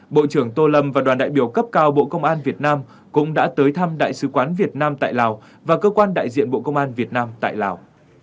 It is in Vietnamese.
bộ trưởng tô lâm và đoàn đại biểu cấp cao bộ công an việt nam cũng đã tới thăm đại sứ quán việt nam tại lào và cơ quan đại diện bộ công an việt nam tại lào